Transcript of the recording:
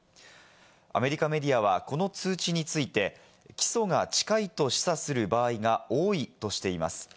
アメリカメディアはこの通知について、起訴が近いと示唆する場合が多いとしています。